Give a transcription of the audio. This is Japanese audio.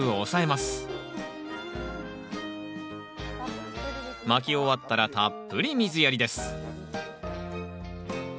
まき終わったらたっぷり水やりです